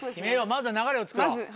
まずは流れをつくろう。